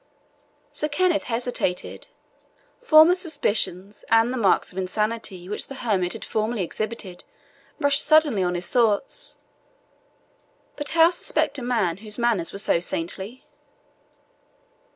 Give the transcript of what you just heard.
Sir Kenneth hesitated. Former suspicions, and the marks of insanity which the hermit had formerly exhibited, rushed suddenly on his thoughts; but how suspect a man whose manners were so saintly?